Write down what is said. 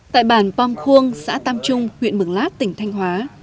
tại bàn pom khuong xã tam trung huyện mừng lát tỉnh thanh hóa